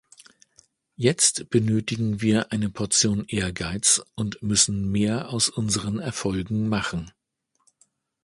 Jetzt benötigen wir eine Portion Ehrgeiz, und müssen mehr aus unseren Erfolgen machen.